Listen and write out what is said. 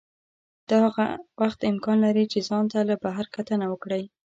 دا هغه وخت امکان لري چې ځان ته له بهر کتنه وکړئ.